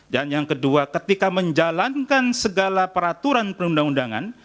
dan yang kedua ketika menjalankan segala peraturan perundang undangan